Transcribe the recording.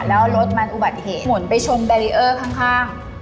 แล้วรถมันอุบัติเหตุหมุนไปชนแบรีเออร์ข้าง